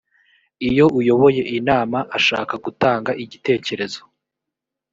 iyo uyoboye inama ashaka gutanga igitekerezo